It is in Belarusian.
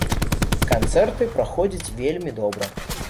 Канцэрты, праходзяць вельмі добра.